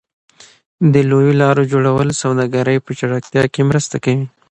د لویو لارو جوړول د سوداګرۍ په چټکتیا کې مرسته کوي.